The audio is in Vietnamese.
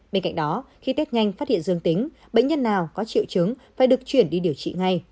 bên cạnh đó khi tết nhanh phát hiện dương tính bệnh nhân nào có triệu chứng phải được chuyển đi điều trị ngay